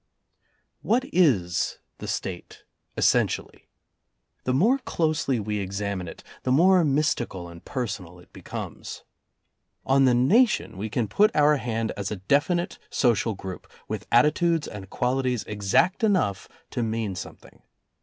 What is the State essentially? The more closely we examine it, the more mystical and per sonal it becomes. On the Nation we can put our hand as a definite social group, with attitudes and qualities exact enough to mean something.